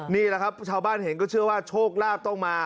นี่แหละครับชาวบ้านเห็นก็เชื่อว่าโชคลาภต้องมา